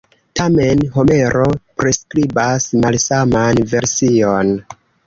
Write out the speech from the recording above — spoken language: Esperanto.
Tamen, Homero priskribas malsaman version.